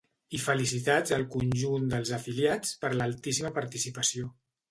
I felicitats al conjunt dels afiliats per l’altíssima participació.